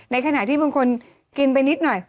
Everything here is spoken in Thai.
ในขณะที่บางคนกินไปนิดหน่อย